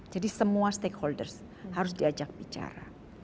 jadi semua stakeholders harus diajak bicara